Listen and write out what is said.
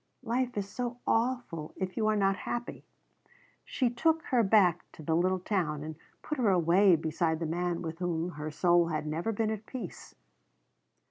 "Life is so awful if you are not happy." She took her back to the little town and put her away beside the man with whom her soul had never been at peace.